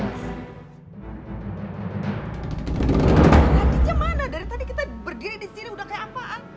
tadinya mana dari tadi kita berdiri di sini udah kayak apaan